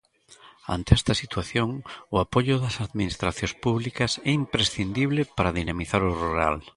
Ante esta situación, o apoio das Administracións públicas é imprescindible para dinamizar o rural.